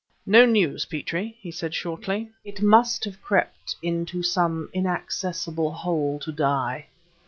"No news, Petrie," he said, shortly. "It must have crept into some inaccessible hole to die."